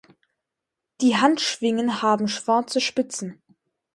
Die Handschwingen haben schwarze Spitzen.